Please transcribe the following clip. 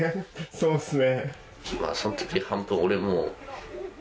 そうっすね。